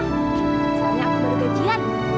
soalnya aku baru gajian